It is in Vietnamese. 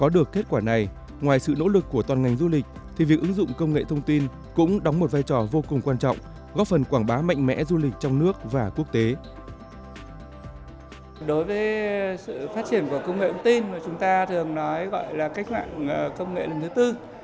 đối với sự phát triển của công nghệ thông tin chúng ta thường nói gọi là cách mạng công nghệ lần thứ tư